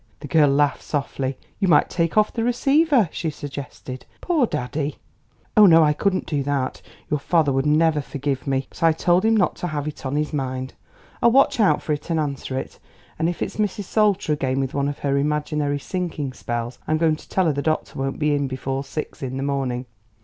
The girl laughed softly. "You might take off the receiver," she suggested. "Poor daddy!" "Oh, no; I couldn't do that. Your father would never forgive me. But I told him not to have it on his mind; I'll watch out for it and answer it, and if it's Mrs. Salter again with one of her imaginary sinking spells I'm going to tell her the doctor won't be in before six in the morning.